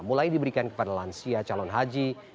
mulai diberikan kepada lansia calon haji